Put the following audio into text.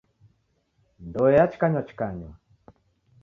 Ndoe yachikanywachikanywa.